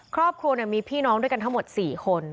ครอบครัวมีพี่น้องด้วยกันทั้งหมด๔คน